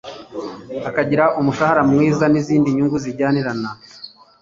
akagira umushahara mwiza n izindi nyungu zijyanirana